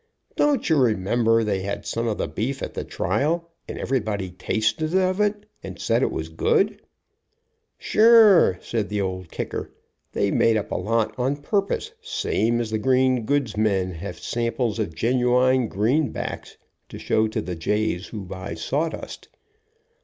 "Don't you remember they had some of the beef at the trial, and everybody tasted of it, and said it was good ?" "Sure," said the Old Kicker. "They made up a lot on purpose, same as the green goods men have samples of genuine greenbacks to show to the jays who buy sawdust.